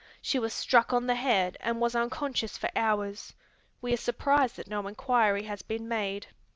She was struck on the head and was unconscious for hours. We are surprised that no inquiry has been made."